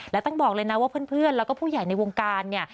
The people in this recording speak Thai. และต้องบอกเลยนะว่าเพื่อนแล้วก็ผู้ใหญ่ในวงการเนี่ย